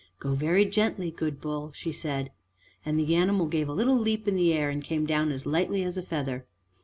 "Go very gently, good bull," she said, and the animal gave a little leap in the air and came down as lightly as a feather.